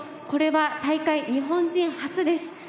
これは大会日本人初です。